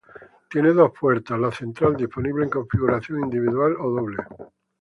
Tiene dos puertas, la central disponible en configuración individual o doble.